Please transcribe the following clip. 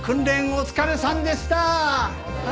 お疲れさまでした！